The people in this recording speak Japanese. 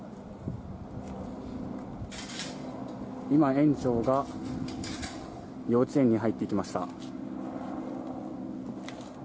今、園長が幼稚園に入っていきました。